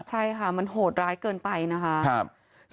ใช่ค่ะมันโหดร้ายเกินไปนะคะ